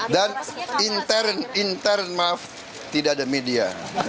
dan intern maaf tidak ada media